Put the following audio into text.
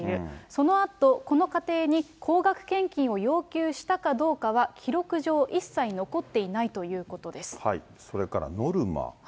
そのあと、この家庭に高額献金を要求したかどうかは記録上、一切残っていなそれからノルマ。